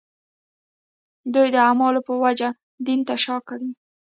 دوی د اعمالو په وجه دین ته شا کړي.